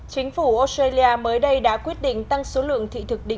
chính phủ australia mới đây đã quyết định tăng số lượng thị thực định